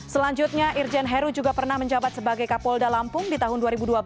selanjutnya irjen heru juga pernah menjabat sebagai kapolda lampung di tahun dua ribu dua belas